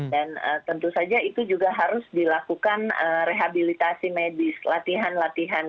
tentu saja itu juga harus dilakukan rehabilitasi medis latihan latihan